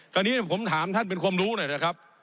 ตอนนี้ผมถามท่านเป็นความรู้หน่อยนะครับ